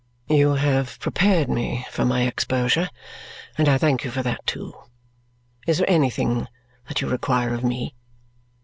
"You have prepared me for my exposure, and I thank you for that too. Is there anything that you require of me?